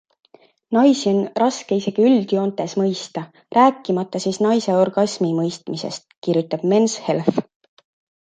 Naisi on raske isegi üldjoontes mõista - rääkimata siis naise orgasmi mõistmisest, kirjutab Men's Health.